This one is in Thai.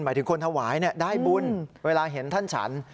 หมายถึงคนถวายได้บุญเวลาเห็นท่านฉัน